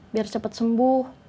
biar cepat sembuh